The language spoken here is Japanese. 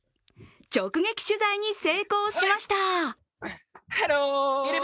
直撃取材に成功しました。